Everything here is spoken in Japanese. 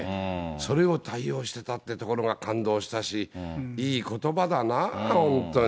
それを対応してたっていうところが感動したし、いいことばだな、本当に。